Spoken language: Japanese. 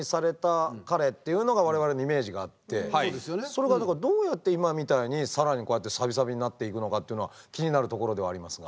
それがだからどうやって今みたいに更にこうやってサビサビになっていくのかっていうのは気になるところではありますが。